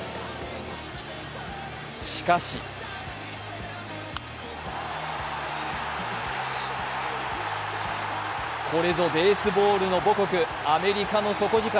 しかしこれぞベースボールの母国、アメリカの底力。